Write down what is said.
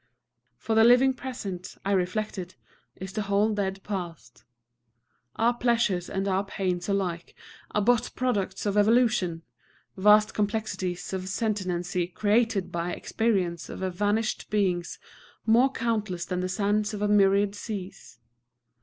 For the living present, I reflected, is the whole dead past. Our pleasures and our pains alike are but products of evolution, vast complexities of sentiency created by experience of vanished beings more countless than the sands of a myriad seas.